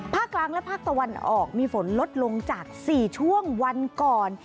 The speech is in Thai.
กลางและภาคตะวันออกมีฝนลดลงจาก๔ช่วงวันก่อน